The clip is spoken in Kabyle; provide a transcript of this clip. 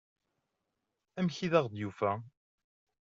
Amek i aɣ-d-yufa?